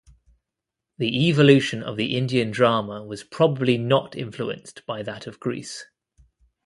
The evolution of the Indian drama was probably not influenced by that of Greece.